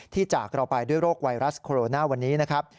จากเราไปด้วยโรคไวรัสโคโรนาวันนี้นะครับ